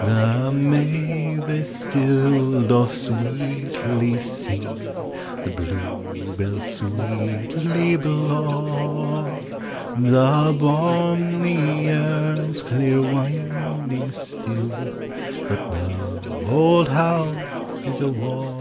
The mavis still doth sweetly sing, The bluebells sweetly blaw, The bonny Earn 's clear winding still, Hut the auld house is awa'.